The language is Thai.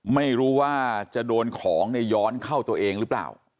ไม่รู้ว่าจะโดนของย้อนเข้าตัวเองหรือเปล่า